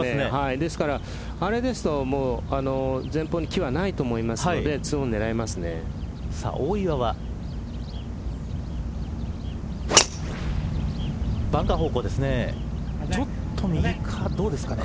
ですからあれですと前方に木はないと思いますので２オン狙えますね。